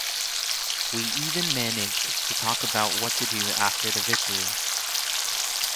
We even managed to talk about what to do after the victory.